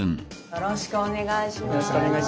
よろしくお願いします。